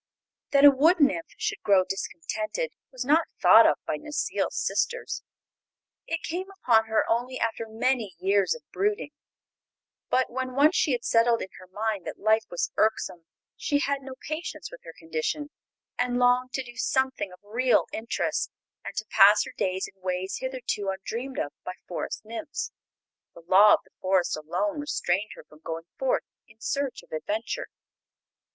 That a wood nymph should grow discontented was not thought of by Necile's sisters. It came upon her only after many years of brooding. But when once she had settled in her mind that life was irksome she had no patience with her condition, and longed to do something of real interest and to pass her days in ways hitherto undreamed of by forest nymphs. The Law of the Forest alone restrained her from going forth in search of adventure.